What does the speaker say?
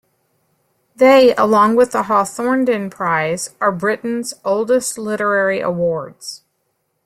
They, along with the Hawthornden Prize, are Britain's oldest literary awards.